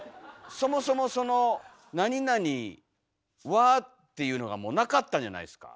そもそもその「●●は」っていうのがもうなかったんじゃないですか。